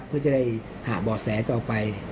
เพื่อจะได้หาบ่อแสต่อไป